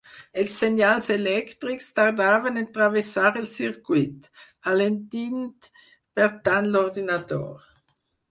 Els senyals elèctrics tardaven en travessar el circuit, alentint per tant l'ordinador.